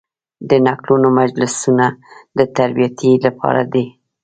د نکلونو مجلسونه د تربیې لپاره دي.